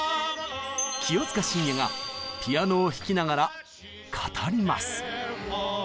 清塚信也がピアノを弾きながら語ります！